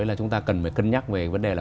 là chúng ta cần phải cân nhắc về vấn đề là